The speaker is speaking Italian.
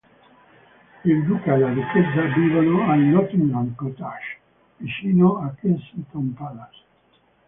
Il duca e la duchessa vivono al Nottingham Cottage, vicino a Kensington Palace.